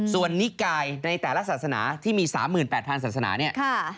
ส่วนนิกายในแต่ละศาสนาที่มี๓๘๐๐ศาสนาเนี่ย